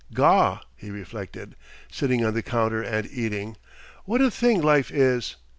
"Gaw!" he reflected, sitting on the counter and eating, "what a thing life is!